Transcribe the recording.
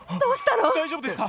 大丈夫ですか？